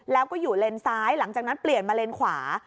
แล้วก็อยู่เลนซ้ายหลังจากนั้นเปลี่ยนมาเลนขวา